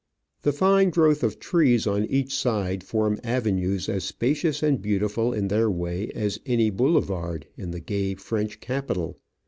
The fine growth of trees on each side form avenues as spacious and beautiful in their way as any boulevard in the gay French capital.